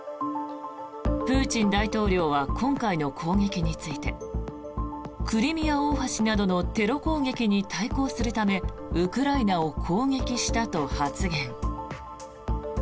プーチン大統領は今回の攻撃についてクリミア大橋などのテロ攻撃に対抗するためウクライナを攻撃したと発言。